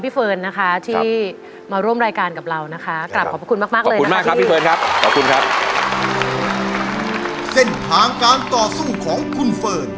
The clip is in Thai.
เส้นทางการต่อสู้ของคุณเฟิร์น